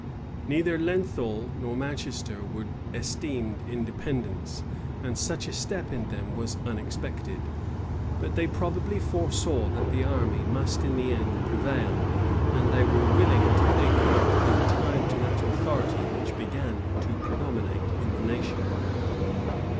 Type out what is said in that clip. [*] Neither Lenthal nor Manchester were esteemed Independents; and such a step in them was unexpected. But they probably foresaw that the army must in the end prevail; and they were willing to pay court in time to that authority which began to predominate in the nation.